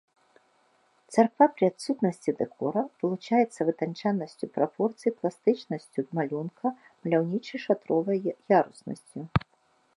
Царква пры адсутнасці дэкору вылучаецца вытанчанасцю прапорцый, пластычнасцю малюнка, маляўнічай шатровай яруснасцю.